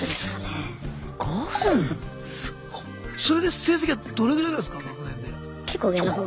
それで成績はどれぐらいなんですか？